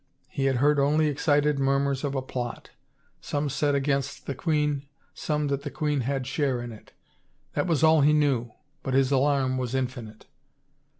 He had heard only excited murmurs of a plot — some said against the queen, some that the queen had share in it. That was all he knew, but his alarm was infinite.